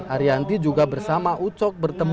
arianti juga bersama ucok bertemu